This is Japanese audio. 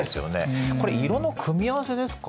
これ色の組み合わせですか？